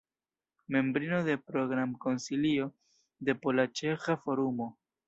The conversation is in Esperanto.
Membrino de Program-Konsilio de Pola-Ĉeĥa Forumo.